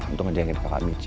untuk ngejagain kakak mici